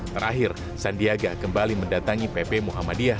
terakhir sandiaga kembali mendatangi pp muhammadiyah